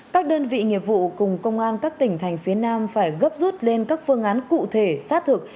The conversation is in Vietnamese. các đơn vị nghiệp vụ cùng công an các tỉnh thành phía nam phải gấp rút lên các phương án cụ thể xác thực